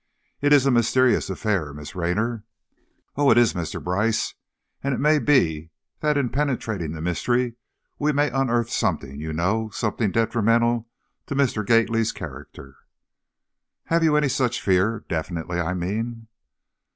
It is a mysterious affair, Miss Raynor." "Oh, it is, Mr. Brice, and it may be that in penetrating the mystery we may unearth something you know, something detrimental to Mr. Gately's character." "Have you any such fear definitely, I mean?"